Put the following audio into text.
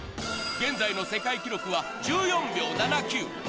現在の世界記録は１４秒７９。